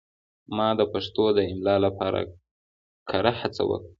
ما د پښتو د املا لپاره کره هڅه وکړه.